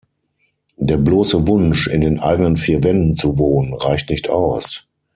Der bloße Wunsch, in den eigenen vier Wänden zu wohnen, reicht nicht aus.